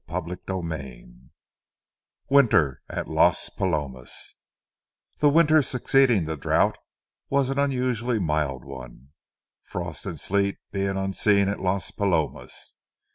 CHAPTER XVII WINTER AT LAS PALOMAS The winter succeeding the drouth was an unusually mild one, frost and sleet being unseen at Las Palomas.